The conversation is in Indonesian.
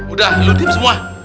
udah lu dim semua